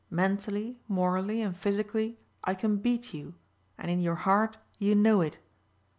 Mentally, morally and physically I can beat you and in your heart you know it.